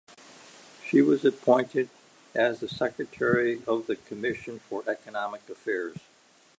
She was appointed as the secretary of the Commission for Economic Affairs.